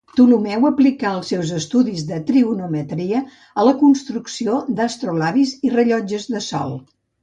Ptolemeu aplicà els seus estudis de trigonometria a la construcció d'astrolabis i rellotges de sol.